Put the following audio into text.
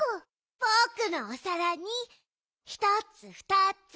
ぼくのおさらにひとつふたつ。